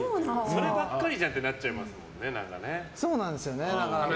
そればっかりじゃんってなっちゃいますもんね。